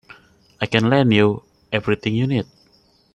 I can lend you everything you need.